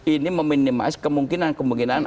ini meminimais kemungkinan kemungkinan